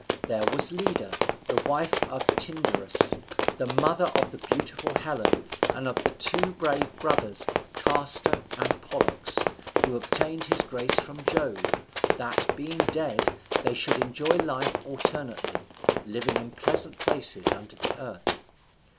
There was Leda, the wife of Tyndarus, the mother of the beautiful Helen, and of the two brave brothers Castor and Pollux, who obtained this grace from Jove, that, being dead, they should enjoy life alternately, living in pleasant places under the earth.